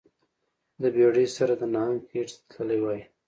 د بیړۍ سره د نهنګ خیټې ته تللی وای